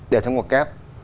để trong một kép